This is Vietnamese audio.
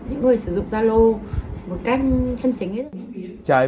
những người sử dụng zalo một cách chân chính